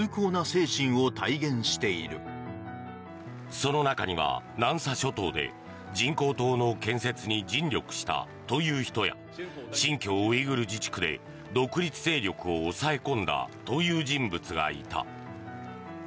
その中には南沙諸島で人工島の建設に尽力したという人や新疆ウイグル自治区で独立勢力を抑え込んだという人物がいた。